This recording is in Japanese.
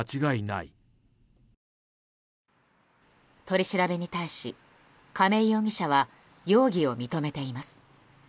取り調べに対し、亀井容疑者は容疑を認めています。